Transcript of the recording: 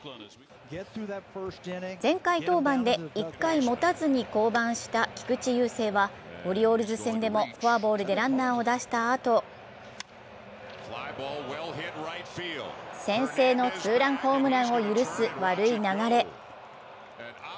前回登板で１回もたずに降板した菊池雄星はオリオールズ戦でもフォアボールでランナーを出したあと、先制のツーランホームランを許す悪い流れ。